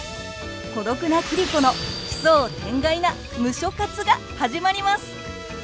孤独な桐子の奇想天外な「ムショ活」が始まります！